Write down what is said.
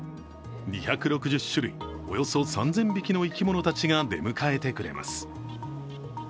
２６０種類、およそ３０００匹の生き物たちが出迎えてくれます。